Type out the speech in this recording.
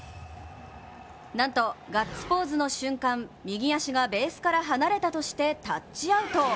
なんとガッツポーズの瞬間、右足がベースから離れたとしてタッチアウト。